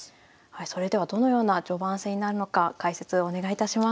それではどのような序盤戦になるのか解説お願いいたします。